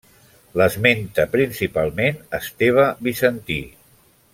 L'esmenta principalment Esteve Bizantí.